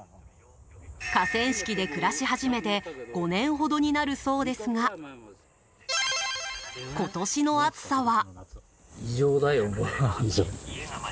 河川敷で暮らし始めて５年ほどになるそうですが今年の暑さは。